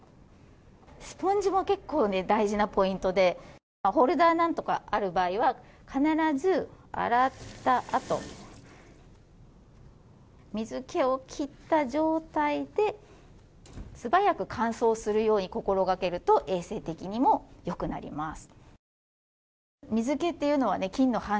スポンジも結構大事なポイントでホルダーなどがある場合は必ず洗ったあと水気を切った状態で素早く乾燥するように心がけると衛生的にも良くなります。